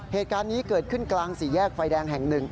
เหตุการณ์นี้เกิดขึ้นกลางสี่แยกไฟแดงแห่งหนึ่ง